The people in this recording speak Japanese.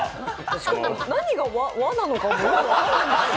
しかも何が和なのかも。